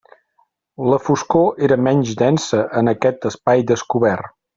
La foscor era menys densa en aquest espai descobert.